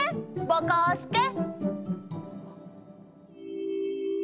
ぼこすけ。